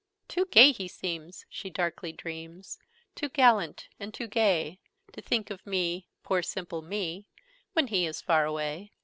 'Too gay he seems,' she darkly dreams, 'Too gallant and too gay To think of me poor simple me When he is far away!'